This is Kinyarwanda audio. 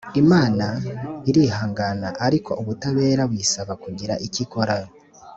imana irihangana ariko ubutabera buyisaba kugira icyo ikora